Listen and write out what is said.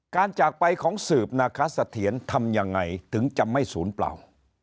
จากไปของสืบนาคสะเทียนทำยังไงถึงจะไม่ศูนย์เปล่า